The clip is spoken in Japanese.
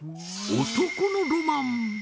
男のロマン？